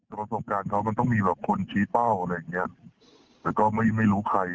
ประสบการณ์เขามันต้องมีแบบคนชี้เป้าอะไรอย่างเงี้ยแต่ก็ไม่รู้ใคร